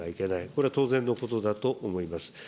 これは当然のことだと思います。